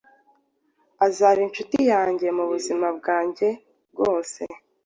azaba inshuti yanjye mu buzima bwanjye bwose